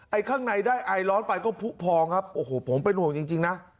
ข้างในได้ไอร้อนไปก็ผู้พองครับโอ้โหผมเป็นห่วงจริงนะ